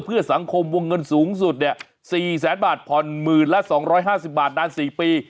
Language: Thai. เพื่อสังคมวงเงินสูงสุด๔แสนบาทผ่อนหมื่นละ๒๕๐บาทนาน๔ปี